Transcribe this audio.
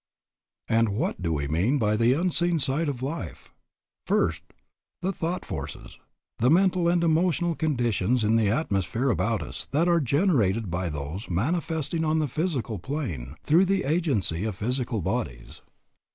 And what do we mean by the unseen side of life? First, the thought forces, the mental and emotional conditions in the atmosphere about us that are generated by those manifesting on the physical plane through the agency of physical bodies.